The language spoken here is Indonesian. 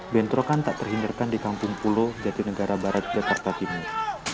bentrokan tak terhindarkan di kampung pulo jatinegara barat jakarta timur